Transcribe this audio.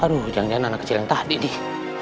aduh jangan jangan anak kecil yang tadi deh